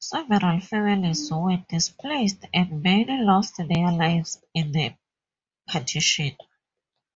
Several families were displaced and many lost their lives in the partition.